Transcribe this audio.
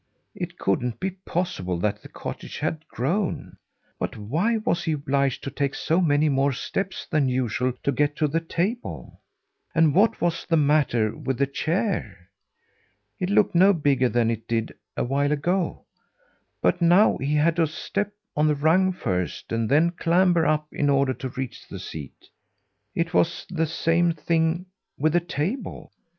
It couldn't be possible that the cottage had grown. But why was he obliged to take so many more steps than usual to get to the table? And what was the matter with the chair? It looked no bigger than it did a while ago; but now he had to step on the rung first, and then clamber up in order to reach the seat. It was the same thing with the table.